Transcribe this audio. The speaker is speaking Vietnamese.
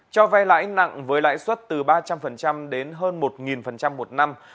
cho vay lãi nặng với lãi suất từ ba trăm linh đến hơn một một năm